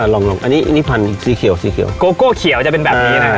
ลองลองอันนี้อันนี้พันธุ์สีเขียวสีเขียวโกโก้เขียวจะเป็นแบบนี้นะครับ